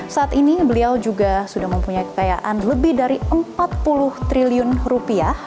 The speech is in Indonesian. saat ini beliau juga sudah mempunyai kekayaan lebih dari empat puluh triliun rupiah